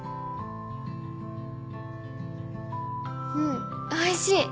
うんおいしい！